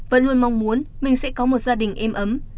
và luôn mong muốn mình sẽ có một gia đình êm ấm